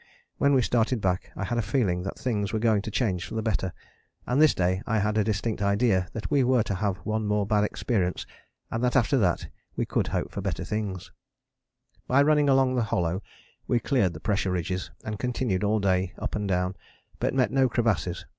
When we started back I had a feeling that things were going to change for the better, and this day I had a distinct idea that we were to have one more bad experience and that after that we could hope for better things. [Illustration: DOWN A CREVASSE] "By running along the hollow we cleared the pressure ridges, and continued all day up and down, but met no crevasses.